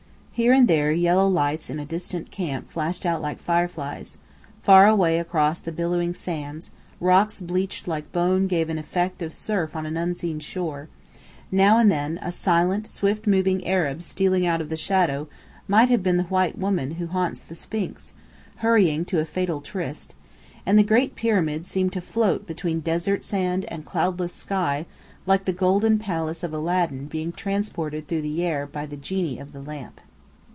Here and there yellow lights in a distant camp flashed out like fireflies; far away across the billowing sands, rocks bleached like bone gave an effect of surf on an unseen shore; now and then a silent, swift moving Arab stealing out of shadow, might have been the White Woman who haunts the Sphinx, hurrying to a fatal tryst: and the Great Pyramid seemed to float between desert sand and cloudless sky like the golden palace of Aladdin being transported through air by the Geni of the Lamp.